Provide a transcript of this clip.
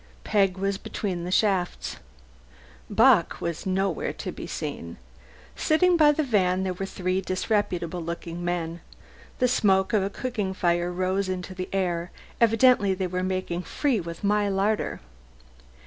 Peg was between the shafts. Bock was nowhere to be seen. Sitting by the van were three disreputable looking men. The smoke of a cooking fire rose into the air; evidently they were making free with my little larder.